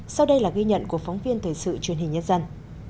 sau đây là ghi nhận của phóng viên thời sự truyền hình nhân dân